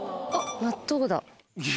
納豆だ。